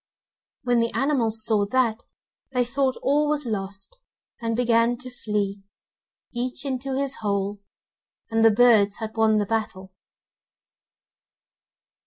When the animals saw that, they thought all was lost, and began to flee, each into his hole, and the birds had won the battle.